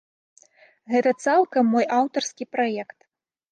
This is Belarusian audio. Гэта цалкам мой аўтарскі праект.